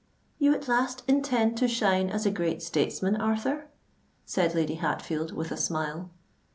"You at last intend to shine as a great statesman, Arthur?" said Lady Hatfield, with a smile.